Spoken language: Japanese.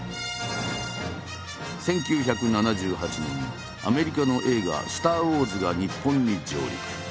１９７８年アメリカの映画「スター・ウォーズ」が日本に上陸。